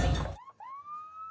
di kabupaten purwakarta ini